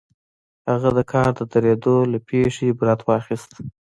هغه د کار د درېدو له پېښې عبرت واخيست.